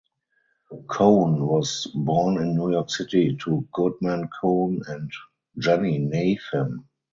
Cohn was born in New York City to Goodman Cohn and Jennie Nathan.